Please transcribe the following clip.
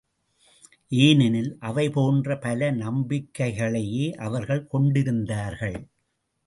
ஏனெனில் அவை போன்ற பல நம்பிக்கைகளையே அவர்கள் கொண்டிருந்தார்கள்.